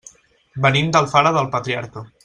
Venim d'Alfara del Patriarca.